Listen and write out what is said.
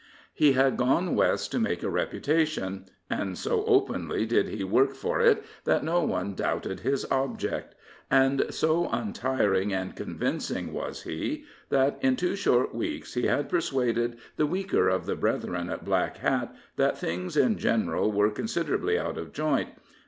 He had gone West to make a reputation, and so openly did he work for it that no one doubted his object; and so untiring and convincing was he, that, in two short weeks, he had persuaded the weaker of the brethren at Black Hat that things in general were considerably out of joint.